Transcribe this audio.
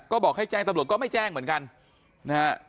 ก็บอกให้แจ้งตำรวจก็ไม่แจ้งเหมือนกันนะฮะ